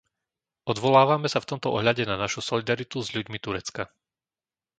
Odvolávame sa v tomto ohľade na našu solidaritu s ľuďmi Turecka.